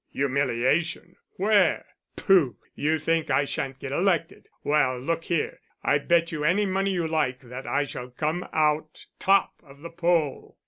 "Humiliation, where? Pooh, you think I shan't get elected. Well, look here, I bet you any money you like that I shall come out top of the poll."